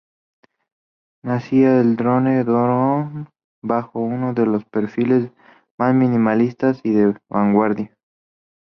Nacía el drone doom bajo uno de sus perfiles más minimalistas y de vanguardia.